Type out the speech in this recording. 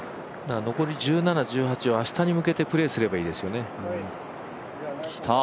残り１７、１８を明日に向けてプレーすればいいですよね。